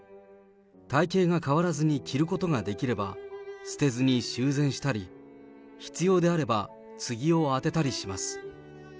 体形が変わらずに着ることができれば、捨てずに修繕したり、必要であればつぎを当てたりします。